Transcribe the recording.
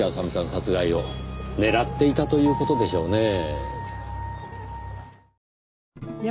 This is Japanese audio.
殺害を狙っていたという事でしょうねぇ。